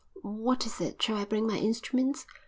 "What is it? Shall I bring my instruments?"